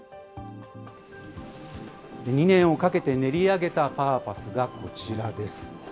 ２年をかけて練り上げたパーパスがこちらです。